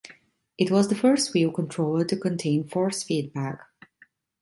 It was the first wheel controller to contain force feedback.